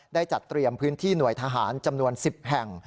จัดเตรียมพื้นที่หน่วยทหารจำนวน๑๐แห่ง